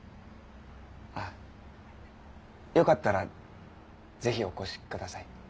あっよかったらぜひお越しください。